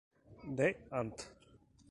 D. Ant.